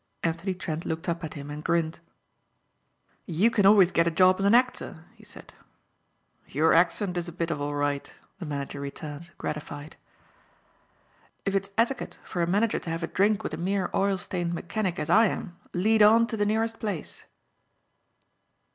Anthony Trent looked up at him and grinned. "You can always get a job as an actor," he said. "Your accent is a bit of all right," the manager returned, gratified. "If it's etiquette for a manager to have a drink with a mere oil stained mechanic as I am, lead on to the nearest place."